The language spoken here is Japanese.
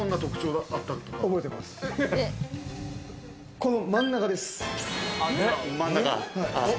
この真ん中です。